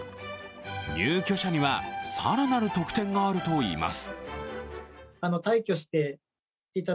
入居者には、更なる特典があるといいます。